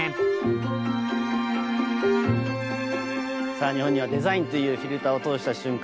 さあ日本にはデザインというフィルターを通した瞬間